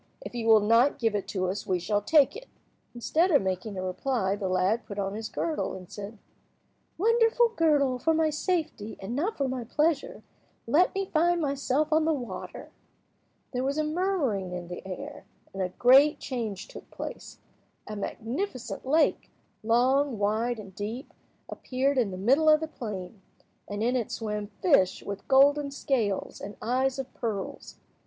If you will not give it to us we shall take it." Instead of making a reply, the lad put on his girdle, and said— "Wonderful girdle, for my safety, and not for my pleasure, let me find myself on the water." There was a murmuring in the air, and a great change took place. A magnificent lake—long, wide, and deep—appeared in the middle of the plain, and in it swam fish with golden scales and eyes of pearls.